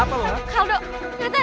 bukan mau dengar lo ngoceh